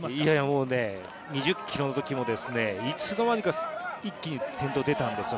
もう２０ｋｍのときもいつの間にか一気に先頭に出てたんですよ。